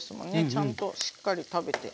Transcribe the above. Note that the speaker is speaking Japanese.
ちゃんとしっかり食べて。